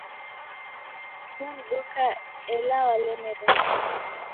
Namduka ila walemere sana